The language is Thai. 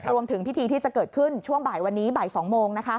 รวมถึงพิธีที่จะเกิดขึ้นช่วงบ่ายวันนี้บ่าย๒โมง